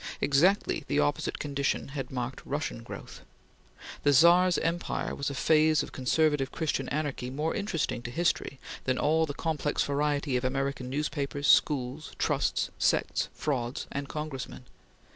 Exactly the opposite condition had marked Russian growth. The Czar's empire was a phase of conservative Christian anarchy more interesting to history than all the complex variety of American newspapers, schools, trusts, sects, frauds, and Congressmen.